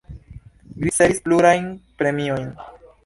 Li ricevis plurajn premiojn.